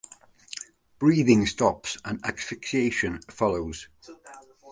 Breathing stops and asphyxiation follows.